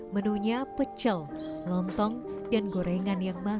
menunya pecel lontong dan gorengan yang matang